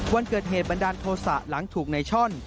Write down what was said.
วันเกิดเหตุบันดาลโทษะหลังถูกในช่อน